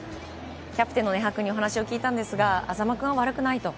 キャプテンの禰覇君にお話を聞いたんですが、安座間君は悪くないと。